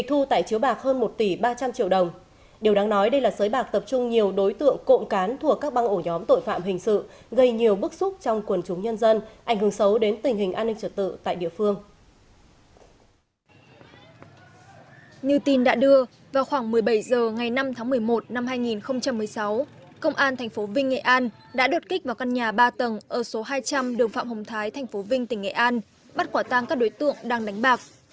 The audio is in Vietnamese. như tin đã đưa vào khoảng một mươi bảy h ngày năm tháng một mươi một năm hai nghìn một mươi sáu công an tp vinh nghệ an đã đột kích vào căn nhà ba tầng ở số hai trăm linh đường phạm hồng thái tp vinh tỉnh nghệ an bắt quả tang các đối tượng đang đánh bạc